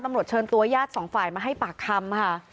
ตำรวจเชิญตัวญาติสองฝ่ายมาให้ปากคำค่ะ